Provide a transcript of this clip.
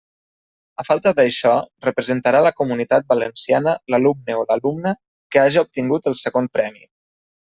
A falta d'això, representarà la Comunitat Valenciana l'alumne o l'alumna que haja obtingut el segon premi.